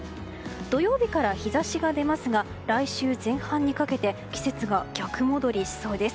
土曜日から日差しが出ますが来週前半にかけて季節が逆戻りしそうです。